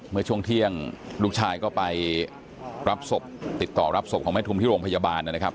เมื่อช่วงเที่ยงลูกชายก็ไปรับศพติดต่อรับศพของแม่ทุมที่โรงพยาบาลนะครับ